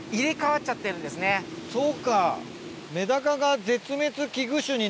そうか。